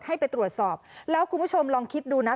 ให้ไปตรวจสอบแล้วคุณผู้ชมลองคิดดูนะ